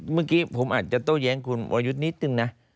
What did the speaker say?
เมื่อกี้ผมอาจจะโต้แย้งคุณวรยุทธ์นิดนึงนะ